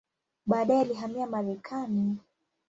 Baadaye alihamia Marekani.